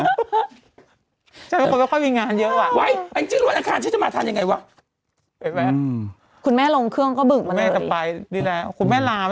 อาหารที่จะมาทันว่าคุณแม่ลงเครื่องเข้าบึกอยู่แล้วคือแม่ล้าง